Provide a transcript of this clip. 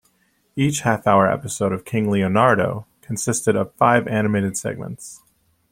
Each half-hour episode of "King Leonardo" consisted of five animated segments.